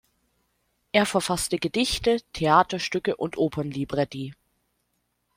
Er verfasste Gedichte, Theaterstücke und Opernlibretti.